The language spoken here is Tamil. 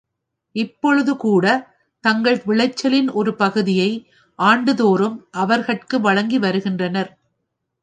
இப்பொழுது கூடத் தங்கள் விளைச்சலின் ஒருபகுதியை ஆண்டுதோறும் அவர்கட்கு வழங்கி வருகின்றனர்.